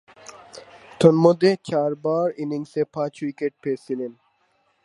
তন্মধ্যে, চারবার ইনিংসে পাঁচ-উইকেট পেয়েছিলেন।